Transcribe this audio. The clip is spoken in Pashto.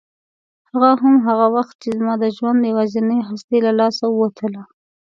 هغه هم هغه وخت چې زما د ژوند یوازینۍ هستي له لاسه ووتله.